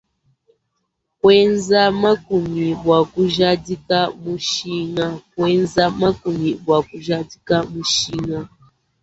Kuenza makumi bua kujadika mushinga.